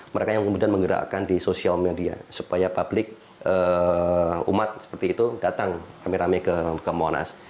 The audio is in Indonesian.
mereka yang kemudian menggerakkan di sosial media supaya publik umat seperti itu datang rame rame ke monas